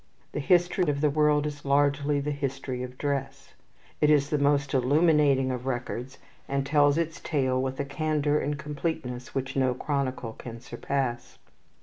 The history of the world is largely the history of dress. It is the most illuminating of records, and tells its tale with a candour and completeness which no chronicle can surpass.